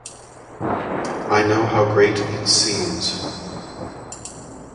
I know how great it seems.